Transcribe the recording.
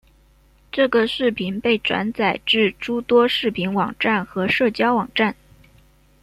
这个视频被转载至诸多视频网站和社交网站。